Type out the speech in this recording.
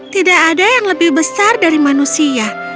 tidak ada yang lebih besar dari manusia